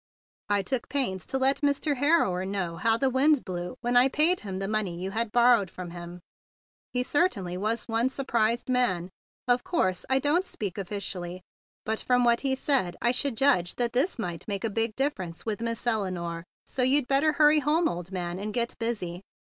"I took pains to let Mr. Harrower know how the wind blew when I paid him the money you had borrowed from him. He certainly was one surprised man; and of course I don't speak offi¬ cially, but from what he said I should judge that this might make a big dif¬ ference with Miss Elinore. So you bet¬ ter hurry home, old man, and get busy.